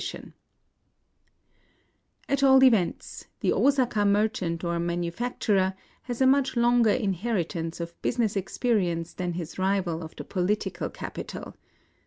n At all events, tlie Osaka merchant or manu facturer has a much longer inheritance of business experience than his rival of the polit ical capital.